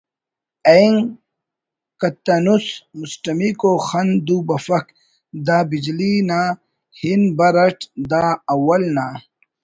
اینگ کتنُس مسٹمیکو خن دو بفک دا بجلی تا ہن بر اٹ دا اول نا